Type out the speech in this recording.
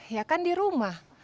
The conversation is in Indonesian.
ya kan di rumah